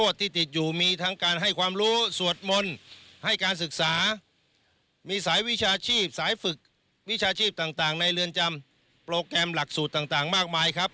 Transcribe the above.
สายฝึกวิชาชีพต่างในเรือนจำโปรแกรมหลักสูตรต่างมากมายครับ